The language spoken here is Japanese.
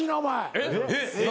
えっ？